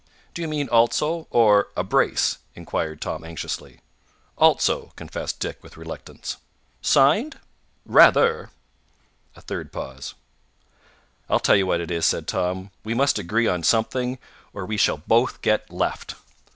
"Do you mean 'also' or 'a brace'?" inquired Tom anxiously. "'Also,'" confessed Dick with reluctance. "Signed?" "Rather!" A third pause. "I tell you what it is," said Tom; "we must agree on something, or we shall both get left.